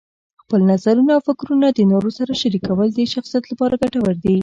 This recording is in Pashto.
خپل نظرونه او فکرونه د نورو سره شریکول د شخصیت لپاره ګټور دي.